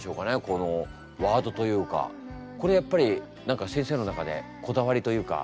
このワードというかこれやっぱり何か先生の中でこだわりというか。